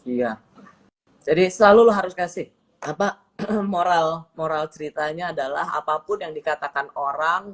iya jadi selalu lo harus kasih bapak moral moral ceritanya adalah apapun yang dikatakan orang